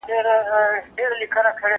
دا جواب ورکول له هغه مهم دي!!